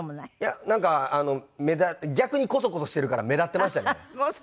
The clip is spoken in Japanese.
いやなんか逆にコソコソしてるから目立ってましたね。